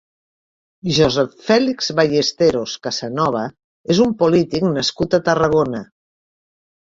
Josep Fèlix Ballesteros Casanova és un polític nascut a Tarragona.